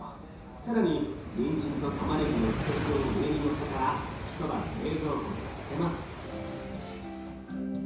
更ににんじんとたまねぎの漬け汁を上にのせたら一晩冷蔵庫で漬けます。